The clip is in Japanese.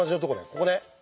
ここね。